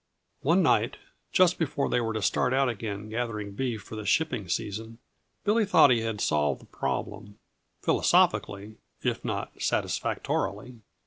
One night, just before they were to start out again gathering beef for the shipping season, Billy thought he had solved the problem philosophically, if not satisfactorily.